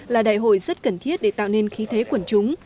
là đại hội rất cần thiết để tạo nên khí thế quần chúng